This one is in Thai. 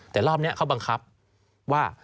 แต่รอบนี้เขาบังคับว่า